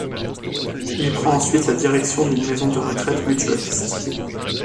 Il prend ensuite la direction d’une maison de retraite mutualiste.